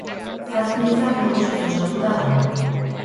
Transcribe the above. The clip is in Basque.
Zazpi izar nagusiz osatuta dago.